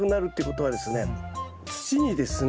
土にですね